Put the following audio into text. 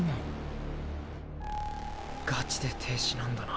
ガチで停止なんだな。